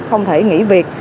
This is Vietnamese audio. không thể nghỉ việc